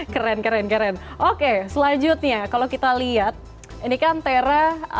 keren keren keren oke selanjutnya kalau kita lihat ini kan tera